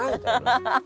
ハハハハ。